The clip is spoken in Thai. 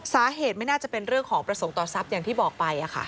สาเหตุไม่น่าจะเป็นเรื่องของประสงค์ต่อทรัพย์อย่างที่บอกไป